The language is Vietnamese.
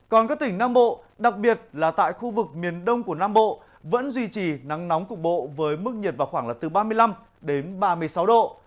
còn các tỉnh nam bộ đặc biệt là tại khu vực miền đông của nam bộ vẫn duy trì nắng nóng cục bộ với mức nhiệt vào khoảng là từ ba mươi năm đến ba mươi sáu độ